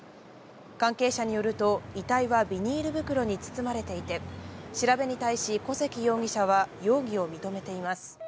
関係者によると、遺体はビニール袋に包まれていて、調べに対し、小関容疑者は容疑を認めています。